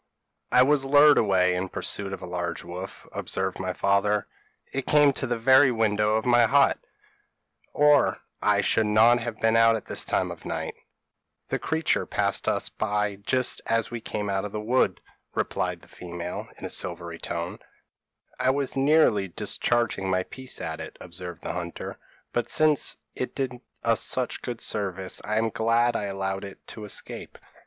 p> "'I was lured away in pursuit of a large white wolf,' observed my father; 'it came to the very window of my hut, or I should not have been out at this time of night.' "'The creature passed by us just as we came out of the wood,' said the female, in a silvery tone. "'I was nearly discharging my piece at it,' observed the hunter; 'but since it did us such good service, I am glad I allowed it to escape.'